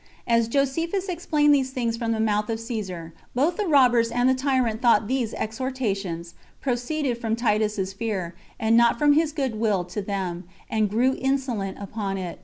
As Josephus explained these things from the mouth of Caesar, both the robbers and the tyrant thought that these exhortations proceeded from Titus's fear, and not from his good will to them, and grew insolent upon it.